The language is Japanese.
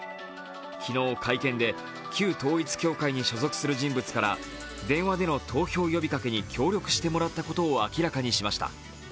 昨日、会見で旧統一教会に所属する人物から電話での投票呼びかけに協力してもらったことを明らかにしました。